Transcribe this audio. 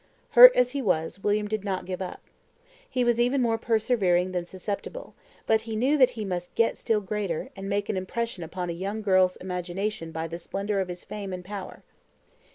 Hurt as he was, William did not give up. He was even more persevering than susceptible; but he knew that he must get still greater, and make an impression upon a young girl's imagination by the splendor of his fame and power.